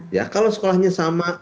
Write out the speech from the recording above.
ya kalau sekolahnya sama